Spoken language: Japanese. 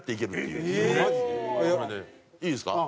いいですか？